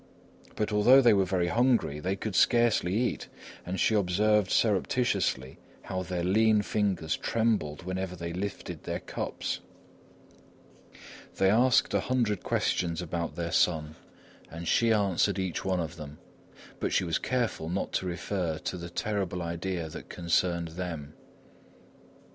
But although they were very hungry, they could scarcely eat, and she observed surreptitiously how their lean fingers trembled whenever they lifted their cups. They asked a hundred questions about their son, and she answered each one of them, but she was careful not to refer to the terrible idea that concerned them.